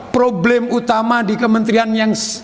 problem utama di kementerian yang